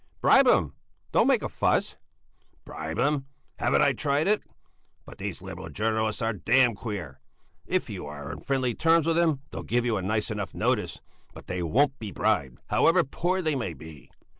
"Bribe him! Don't make a fuss!" "Bribe him? Haven't I tried it? But these Liberal journalists are damned queer. If you are on friendly terms with them, they'll give you a nice enough notice; but they won't be bribed however poor they may be."